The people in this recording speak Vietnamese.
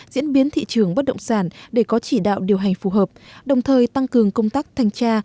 diễn biến thị trường bất động sản để có chỉ đạo điều hành phù hợp đồng thời tăng cường công tác thanh tra